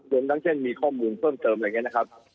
รวมทั้งเช่นมีข้อมูลเพิ่มเติมอะไรอย่างนี้นะครับ